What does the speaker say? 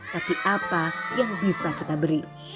tapi apa yang bisa kita beri